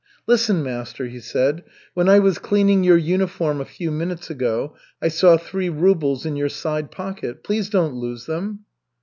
"Listen, master," he said. "When I was cleaning your uniform a few minutes ago, I saw three rubles in your side pocket. Please don't lose them."